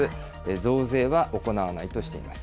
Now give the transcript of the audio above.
増税は行わないとしています。